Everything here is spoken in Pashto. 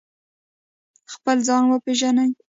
خپل ځان وپیژنئ